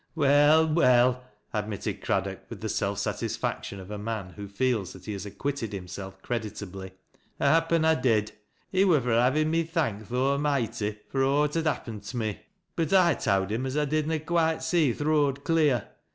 " Well, well," admitted Craddock with the self satisfac tion of a man who feels that he has acquitted himself creditably. "Happen I did. He wur fur liavin' me thank th' A'moighty fur aw ut had happent me, but 1 towd him as I did na quoite see th' road clear.